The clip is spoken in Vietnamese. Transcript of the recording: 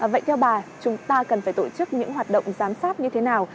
vậy theo bà chúng ta cần phải tổ chức những hoạt động giám sát như thế nào